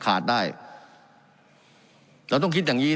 การปรับปรุงทางพื้นฐานสนามบิน